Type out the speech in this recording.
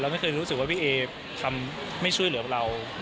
ไม่เคยรู้สึกว่าพี่เอทำไม่ช่วยเหลือเรา